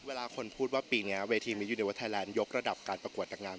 เวลาคนพูดว่าปีนี้เวทีมียูเนเวอร์ไทยแลนด์ยกระดับการประกวดแต่งงาน